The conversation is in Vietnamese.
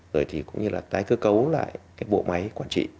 rồi thì cũng như là tái cơ cấu lại cái bộ máy quản trị